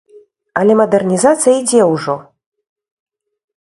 Але мадэрнізацыя ідзе ўжо.